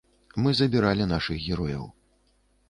Мы забіралі нашых герояў.